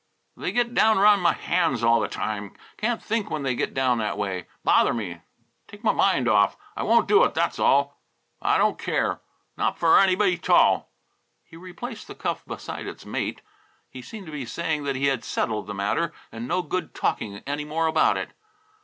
"They get down 'round m' hands all the time. Can't think when they get down that way. Bother me. Take m' mind off. I won't do it, that's all. I don't care. Not for anybody't all!" He replaced the cuff beside its mate. He seemed to be saying that he had settled the matter and no good talking any more about it.